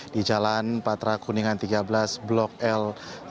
di jalan patra kuningan tiga belas blok l